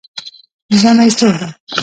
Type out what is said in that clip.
ژمی سوړ ده